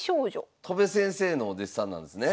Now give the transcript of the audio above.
戸辺先生のお弟子さんなんですね。